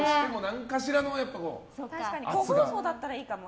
個包装だったらいいかも。